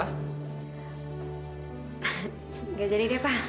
nggak jadi dia pak